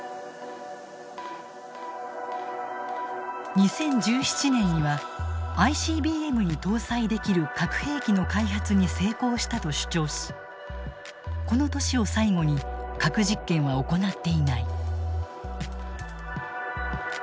２０１７年にはＩＣＢＭに搭載できる核兵器の開発に成功したと主張しこの年を最後に核実験は行っていない。